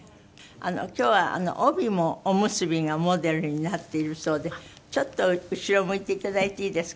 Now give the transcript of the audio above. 今日は帯もお結びがモデルになっているそうでちょっと後ろ向いていただいていいですか？